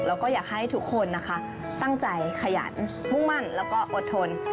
แล้วก็อยากให้ทุกคนนะคะตั้งใจขยันมุ่งมั่นแล้วก็อดทน